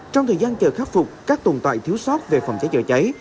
trong thời gian chờ khắc phục các tồn tại thiếu sót về phòng cháy chữa cháy